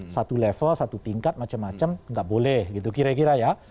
satu level satu tingkat macam macam nggak boleh gitu kira kira ya